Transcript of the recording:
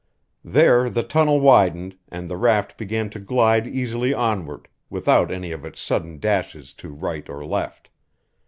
There the tunnel widened, and the raft began to glide easily onward, without any of its sudden dashes to right or left.